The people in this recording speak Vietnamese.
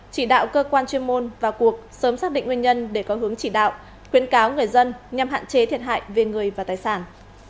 chỉ đạo cơ quan chuyên môn vào cuộc sớm xác định nguyên nhân để có hướng chỉ đạo khuyến cáo người dân nhằm hạn chế thiệt hại về người và tài sản